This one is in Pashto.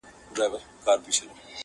د ستورو په رڼا به رویباري کوو د میني٫